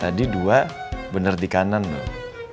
tadi dua bener di kanan dong